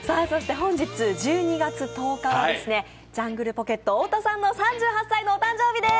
本日１２月１０日はジャングルポケット太田さんの、３８歳のお誕生日です！